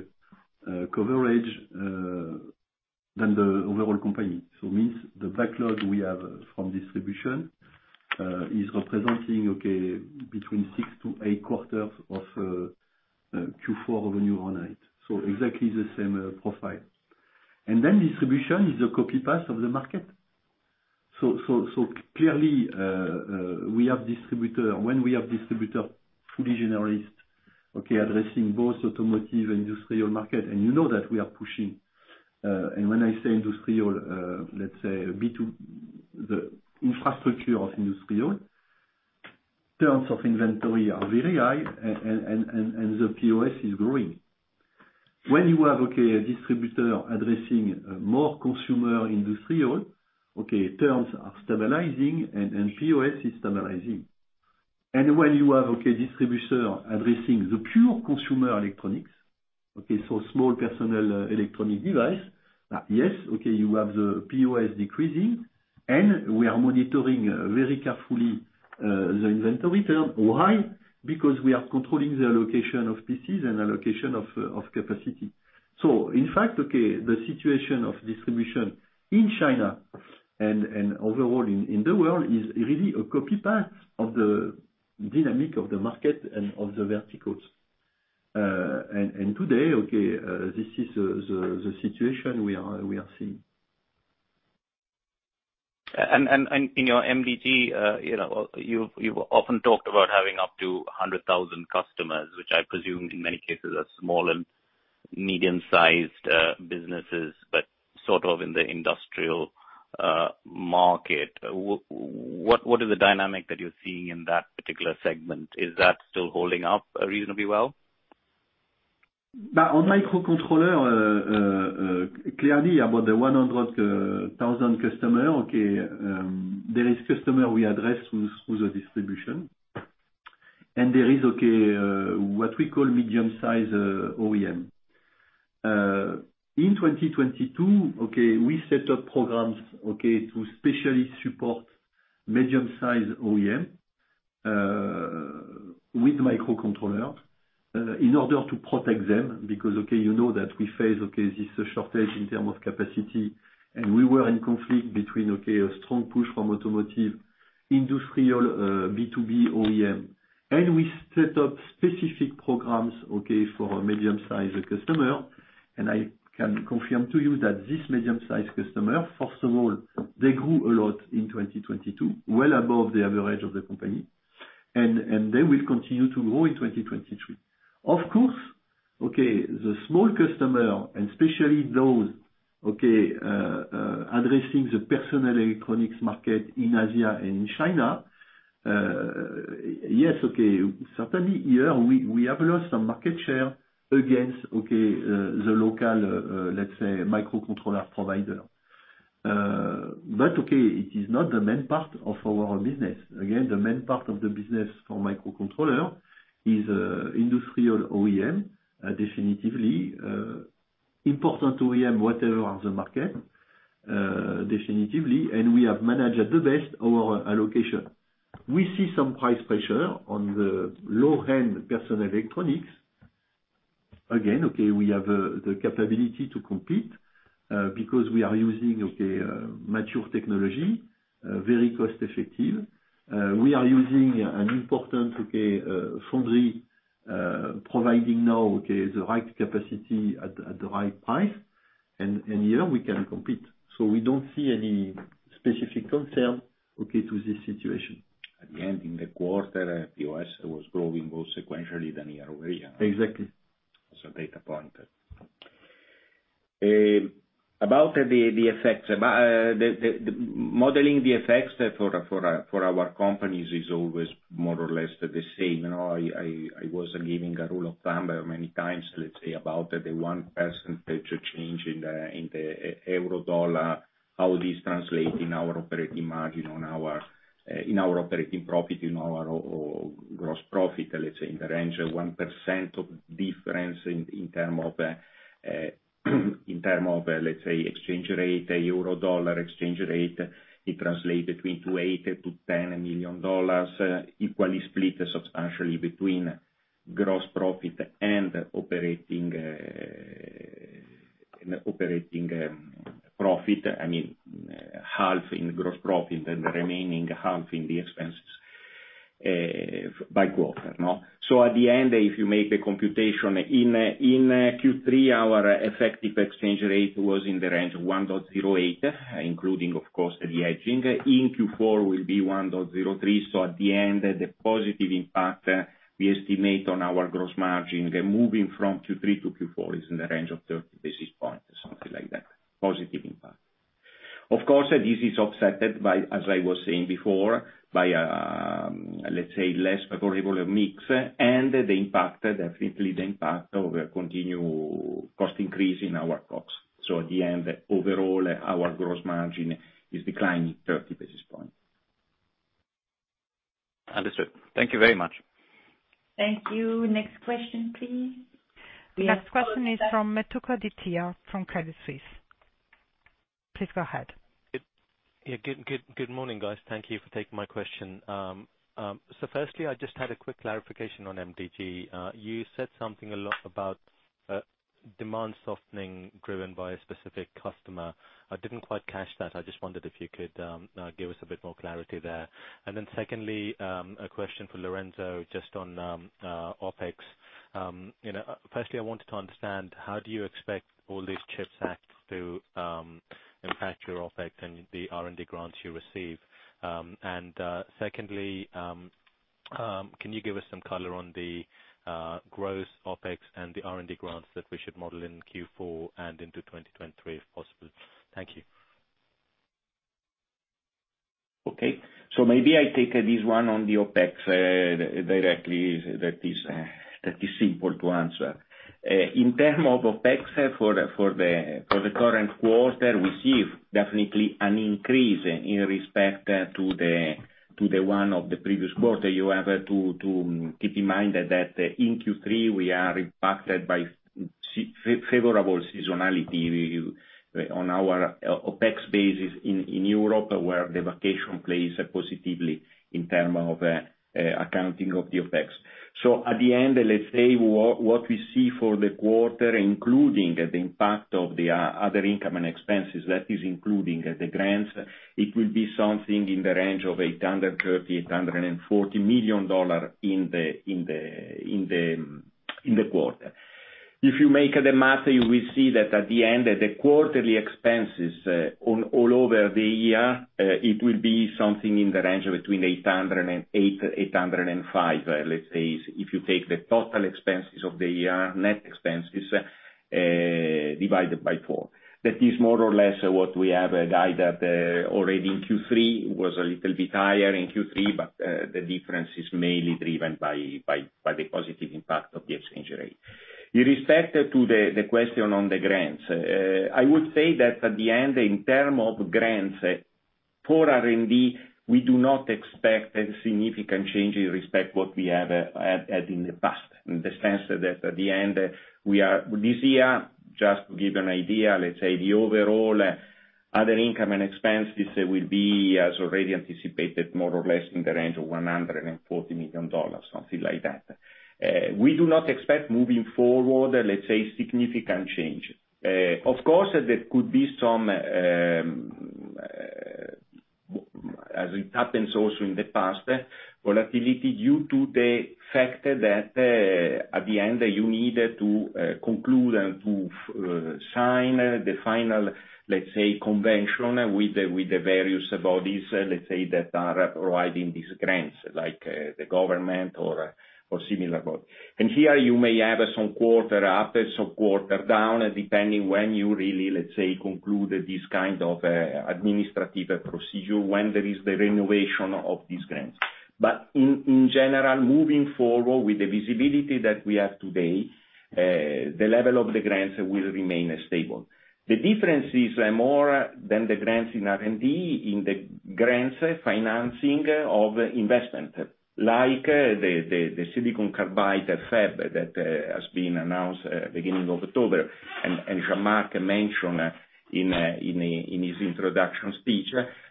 coverage to the overall company. Means the backlog we have from distribution is representing, okay, between six to eight quarters of Q4 revenue on it, so exactly the same profile. Distribution is a copy-paste of the market. Clearly, we have distributors when we have distributors fully generalist, okay, addressing both automotive and industrial market, and you know that we are pushing, and when I say industrial, let's say B2B, the infrastructure of industrial, in terms of inventory are very high and the POS is growing. When you have a distributor addressing more consumer industrial, terms are stabilizing and POS is stabilizing. When you have distributor addressing the pure consumer electronics, so small personal electronic device, you have the POS decreasing, and we are monitoring very carefully the inventory term. Why? Because we are controlling the allocation of PCs and allocation of capacity. In fact, the situation of distribution in China and overall in the world is really a copy-paste of the dynamic of the market and of the verticals. Today this is the situation we are seeing. In your MDG, you know, you've often talked about having up to 100,000 customers, which I presume in many cases are small and medium-sized businesses, but sort of in the industrial market. What is the dynamic that you're seeing in that particular segment? Is that still holding up reasonably well? On microcontroller, clearly about the 100,000 customer, there is customer we address through the distribution. There is what we call medium-size OEM. In 2022, we set up programs to specially support medium-size OEM with microcontroller in order to protect them because you know that we face this shortage in terms of capacity, and we were in conflict between a strong push from automotive, industrial, B2B OEM, and we set up specific programs for a medium-size customer, and I can confirm to you that this medium-size customer, first of all, they grew a lot in 2022, well above the average of the company. They will continue to grow in 2023. Of course, the small customer and especially those addressing the personal electronics market in Asia and in China, yes, certainly here we have lost some market share against the local, let's say, microcontroller provider. It is not the main part of our business. Again, the main part of the business for microcontroller is industrial OEM, definitively important OEM whatever the market, definitively, and we have managed the best our allocation. We see some price pressure on the low-end personal electronics. Again, we have the capability to compete because we are using mature technology, very cost effective. We are using an important foundry providing now the right capacity at the right price, and here we can compete. We don't see any specific concern, okay, to this situation. Again, in the quarter, POS was growing both sequentially and year-over-year. Exactly. Data point about the effects. Modeling the effects for our companies is always more or less the same. You know, I was giving a rule of thumb many times, let's say about the 1% change in the euro dollar, how this translate in our operating margin on our operating profit, in our gross profit, let's say in the range of 1% difference in terms of exchange rate, a euro dollar exchange rate, it translate between $8 million-$10 million, equally split substantially between gross profit and operating expenses. In operating profit, I mean, half in gross profit and the remaining half in the expenses, you know. At the end, if you make the computation, in Q3, our effective exchange rate was in the range of 1.08, including, of course, the hedging. In Q4 will be 1.03. At the end, the positive impact we estimate on our gross margin moving from Q3 to Q4 is in the range of 30 basis points or something like that, positive impact. Of course, this is offset by, as I was saying before, let's say, less favorable mix and the impact, definitely the impact of a continued cost increase in our COGS. At the end, overall, our gross margin is declining 30 basis points. Understood. Thank you very much. Thank you. Next question, please. The next question is from Metuku Adithya from Credit Suisse. Please go ahead. Yeah. Good morning, guys. Thank you for taking my question. Firstly, I just had a quick clarification on MDG. You said something a lot about demand softening driven by a specific customer. I didn't quite catch that. I just wondered if you could give us a bit more clarity there. Secondly, a question for Lorenzo, just on OpEx. You know, firstly, I wanted to understand how do you expect all these CHIPS acts to impact your OpEx and the R&D grants you receive? Secondly, can you give us some color on the gross OpEx and the R&D grants that we should model in Q4 and into 2023, if possible? Thank you. Okay. Maybe I take this one on the OpEx directly that is simple to answer. In terms of OpEx for the current quarter, we see definitely an increase in respect to the one of the previous quarter. You have to keep in mind that in Q3, we are impacted by favorable seasonality on our OpEx basis in Europe, where the vacation plays positively in terms of accounting of the OpEx. At the end, let's say, what we see for the quarter, including the impact of the other income and expenses, that is including the grants, it will be something in the range of $830 million-$840 million in the quarter. If you make the math, you will see that at the end, the quarterly expenses overall over the year, it will be something in the range of between $800-$805, let's say, if you take the total expenses of the year, net expenses, divided by four. That is more or less what we have guided already in Q3. It was a little bit higher in Q3, but the difference is mainly driven by the positive impact of the exchange rate. In respect to the question on the grants, I would say that at the end, in terms of grants for R&D, we do not expect a significant change in respect to what we have had in the past. In the sense that at the end, this year, just to give an idea, let's say the overall other income and expenses will be, as already anticipated, more or less in the range of $140 million, something like that. We do not expect moving forward, let's say, significant change. Of course, there could be some, as it happens also in the past, volatility due to the fact that, at the end, you need to conclude and to sign the final, let's say, convention with the various bodies, let's say, that are providing these grants, like the government or similar body. Here you may have some quarter up and some quarter down, depending when you really, let's say, conclude this kind of administrative procedure, when there is the recognition of these grants. In general, moving forward with the visibility that we have today, the level of the grants will remain stable. The difference is more than the grants in R&D, in the grants financing of investment, like, the silicon carbide fab that has been announced, beginning of October. Jean-Marc mentioned in his introduction speech,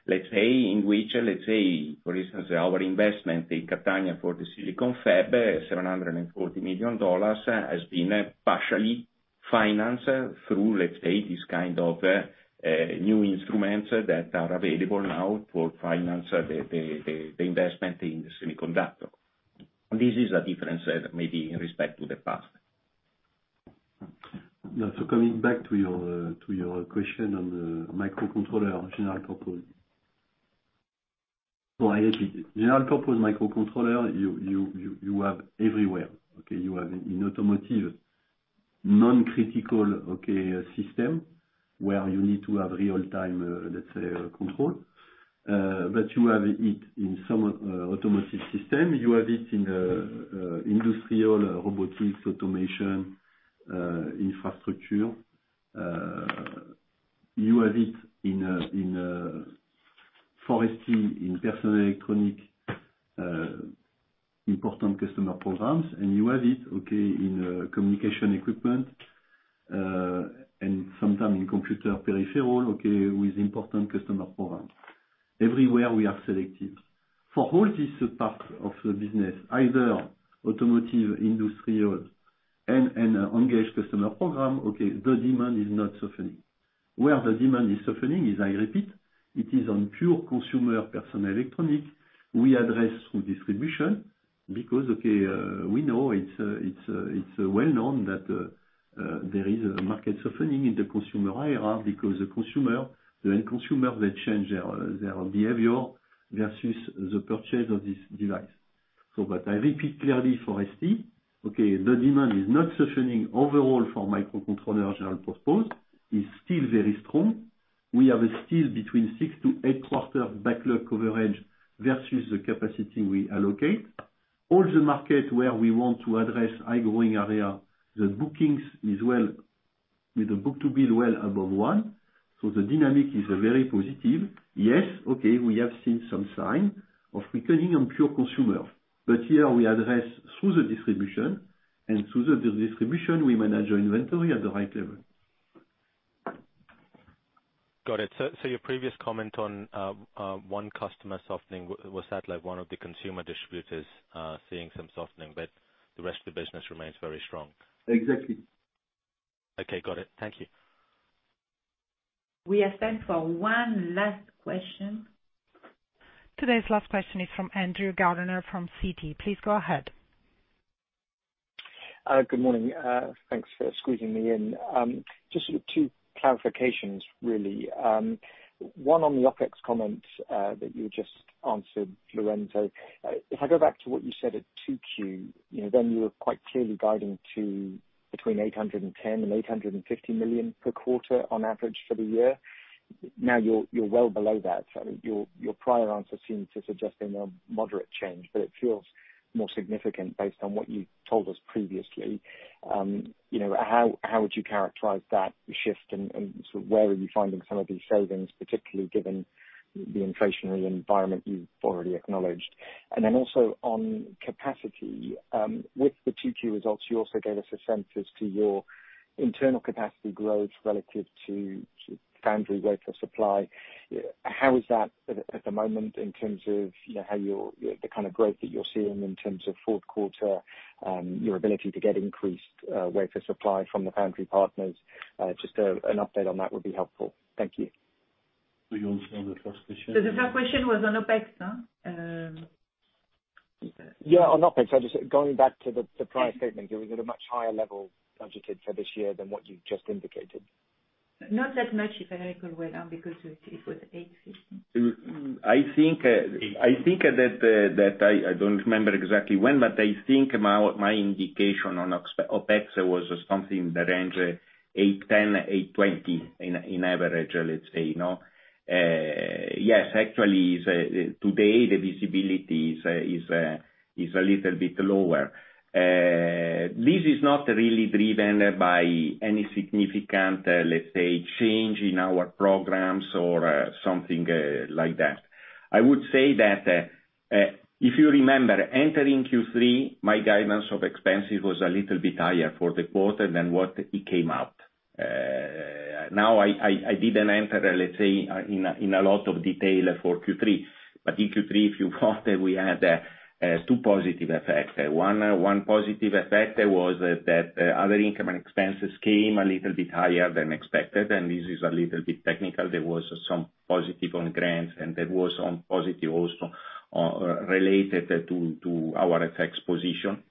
let's say, in which, let's say, for instance, our investment in Catania for the silicon fab, $740 million, has been partially financed through, let's say, this kind of new instruments that are available now to finance the investment in the semiconductor. This is a difference, maybe in respect to the past. Coming back to your question on the general purpose microcontroller. Actually, general purpose microcontroller, you have everywhere, okay? You have in automotive non-critical, okay, system where you need to have real-time, let's say, control, but you have it in some automotive system. You have it in industrial robotics, automation, infrastructure. You have it in forestry, in personal electronics, important customer programs. You have it, okay, in communication equipment, and sometimes in computer peripheral, okay, with important customer programs. Everywhere we are selected. For all this part of the business, either automotive, industrial and engaged customer program, okay, the demand is not softening. Where the demand is softening is, I repeat, it is on pure consumer personal electronic. We address through distribution because, okay, we know it's well-known that there is a market softening in the consumer area because the consumer, the end consumer, they change their behavior versus the purchase of this device. I repeat clearly for ST, okay, the demand is not softening overall from microcontroller general purpose, is still very strong. We have a still between six to eight quarter backlog coverage versus the capacity we allocate. All the market where we want to address high growing area, the bookings is well with the book-to-bill well above one, so the dynamic is very positive. Yes, okay, we have seen some sign of weakening on pure consumer. Here we address through the distribution, and through the distribution, we manage our inventory at the right level. Got it. Your previous comment on one customer softening, was that like one of the consumer distributors seeing some softening, but the rest of the business remains very strong? Exactly. Okay. Got it. Thank you. We have time for one last question. Today's last question is from Andrew Gardiner from Citi. Please go ahead. Good morning. Thanks for squeezing me in. Just two clarifications, really. One on the OpEx comment that you just answered, Lorenzo. If I go back to what you said at Q2, you know, then you were quite clearly guiding to between $810 million and $850 million per quarter on average for the year. Now you're well below that. So your prior answer seems to suggest a more moderate change, but it feels more significant based on what you told us previously. You know, how would you characterize that shift and sort of where are you finding some of these savings, particularly given the inflationary environment you've already acknowledged? Also on capacity, with the Q2 results, you also gave us a sense as to your internal capacity growth relative to foundry wafer supply. How is that at the moment in terms of, you know, the kind of growth that you're seeing in terms of fourth quarter, your ability to get increased wafer supply from the foundry partners? Just an update on that would be helpful. Thank you. Will you answer the first question? The first question was on OpEx. Yeah, on OpEx. Going back to the prior statement, you were at a much higher level budgeted for this year than what you just indicated. Not that much, if I recall well, because it was 850. I think that I don't remember exactly when, but I think my indication on OpEx was something in the range of $810-$820 on average, let's say, you know. Yes, actually, today the visibility is a little bit lower. This is not really driven by any significant, let's say, change in our programs or something like that. I would say that if you remember, entering Q3, my guidance of expenses was a little bit higher for the quarter than what it came out. Now I didn't enter, let's say, in a lot of detail for Q3. In Q3, we had two positive effects. One positive effect was that other income and expenses came a little bit higher than expected, and this is a little bit technical. There was some positive on grants, and there was some positive also related to our tax position.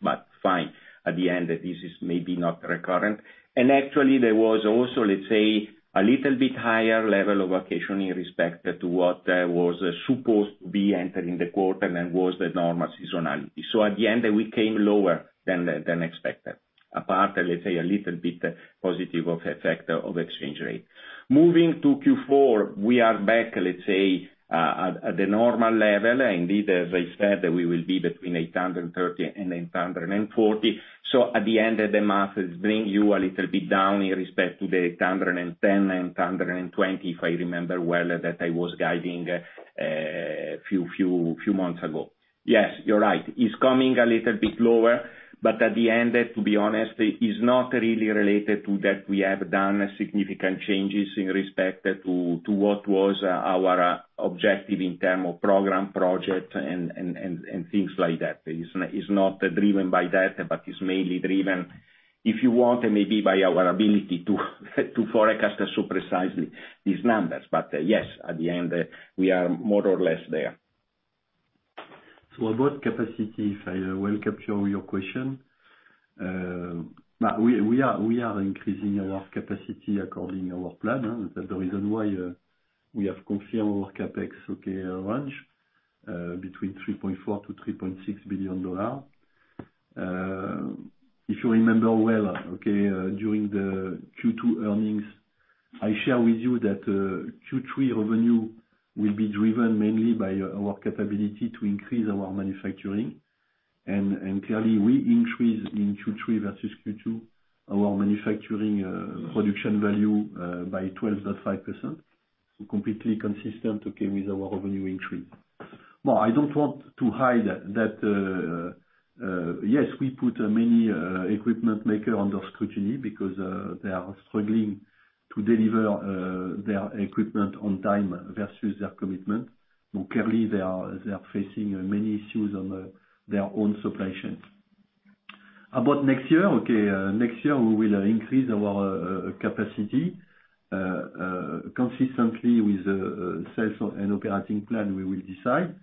Fine, at the end, this is maybe not recurrent. Actually there was also, let's say, a little bit higher level of accrual in respect to what was supposed to be entering the quarter, and then was the normal seasonality. At the end, we came lower than expected. Apart, let's say, a little bit positive effect of exchange rate. Moving to Q4, we are back, let's say, at the normal level. Indeed, as I said, we will be between $830 and $840. At the end of the month, it bring you a little bit down in respect to the $810-$820, if I remember well, that I was guiding few months ago. Yes, you're right. It's coming a little bit lower. At the end, to be honest, it's not really related to that we have done significant changes in respect to what was our objective in terms of program project and things like that. It's not driven by that, but it's mainly driven, if you want, maybe by our ability to forecast so precisely these numbers. Yes, at the end, we are more or less there. About capacity, if I will capture your question. We are increasing our capacity according our plan. That's the reason why we have confirmed our CapEx range between $3.4 billion-$3.6 billion. If you remember well, during the Q2 earnings, I share with you that Q3 revenue will be driven mainly by our capability to increase our manufacturing. Clearly we increase in Q3 versus Q2 our manufacturing production value by 12.5%. Completely consistent with our revenue increase. Now, I don't want to hide that, yes, we put many equipment maker under scrutiny because they are struggling to deliver their equipment on time versus their commitment. Clearly they are facing many issues on their own supply chains. About next year, next year we will increase our capacity consistently with sales and operating plan we will decide,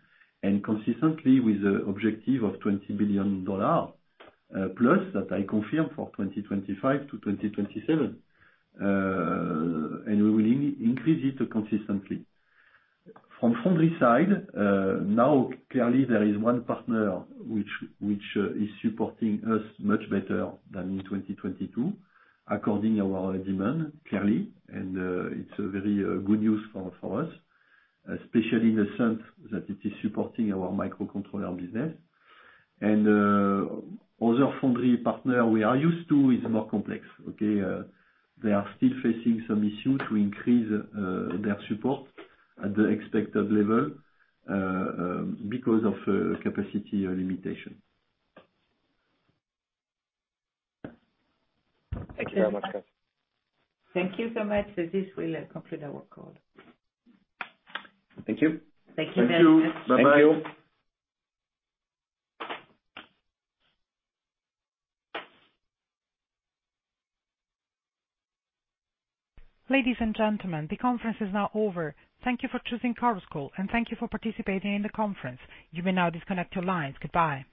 and consistently with the objective of $20 billion plus that I confirm for 2025 to 2027. We will increase it consistently. From foundry side, now clearly there is one partner which is supporting us much better than in 2022 according to our demand, clearly, and it's very good news for us, especially in the sense that it is supporting our microcontroller business. Other foundry partner we are used to is more complex. They are still facing some issues to increase their support at the expected level because of capacity limitation. Thank you very much, guys. Thank you so much. This will conclude our call. Thank you. Thank you very much. Thank you. Bye-bye, all. Ladies and gentlemen, the conference is now over. Thank you for choosing Chorus Call, and thank you for participating in the conference. You may now disconnect your lines. Goodbye.